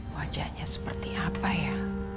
wajahnya seperti apa ya